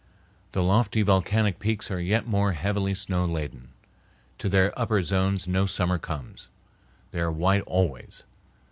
The lofty volcanic peaks are yet more heavily snow laden. To their upper zones no summer comes. They are white always.